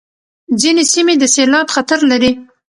ځینې سیمې د سېلاب خطر لري.